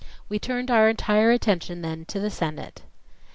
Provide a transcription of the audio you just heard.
We turned our entire attention then to the Senate.